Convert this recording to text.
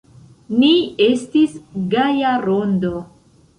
Ni estis gaja rondo.